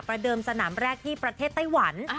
เดิมสนามแรกที่ประเทศไต้หวัน